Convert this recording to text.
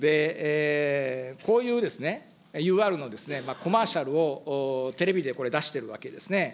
こういうＵＲのコマーシャルをテレビでこれ、出してるわけですね。